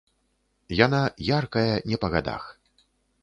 Яна яркая, не па гадах.